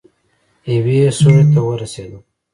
يوې سوړې ته ورسېدم.